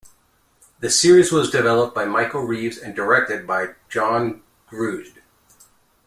The series was developed by Michael Reaves and directed by John Grusd.